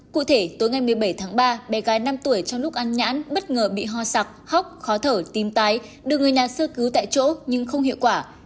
cụ thể tối ngày một mươi bảy tháng ba bé gái năm tuổi trong lúc ăn nhãn bất ngờ bị ho sặc hóc khó thở tím tái được người nhà sơ cứu tại chỗ nhưng không hiệu quả